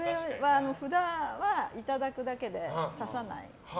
札はいただくだけで挿さない。